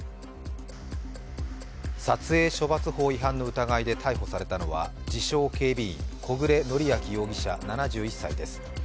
撮影処罰法違反の疑いで逮捕されたのは自称・警備員、小暮典昭容疑者７１歳です。